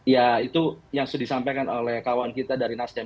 ya itu yang sudah disampaikan oleh kawan kita dari nasdem